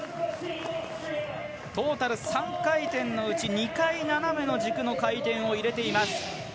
トータル３回転のうち２回斜めの軸の回転を入れました。